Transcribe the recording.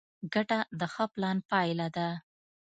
ګټه د ښه پلان پایله ده.